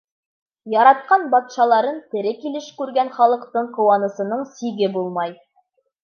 Яратҡан батшаларын тере килеш күргән халыҡтың ҡыуанысының сиге булмай.